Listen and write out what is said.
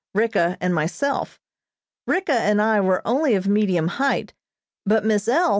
Ricka and myself. Ricka and I were only of medium height, but Miss L.